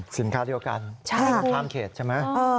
สินค้าเดียวกันข้ามเขตใช่ไหม